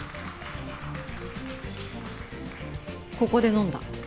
ここで飲んだ。